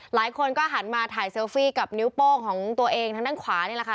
หลายคนก็หันมาถ่ายเซลฟี่กับนิ้วโป้งของตัวเองทางด้านขวานี่แหละค่ะ